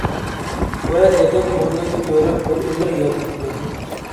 ۋە دادام ئورنىدا كۆرۈپ بىر ئۆمۈر ياد ئىتىمەن.